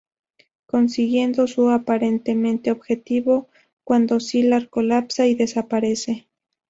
Consiguiendo su aparentemente objetivo cuando Sylar colapsa y desaparece.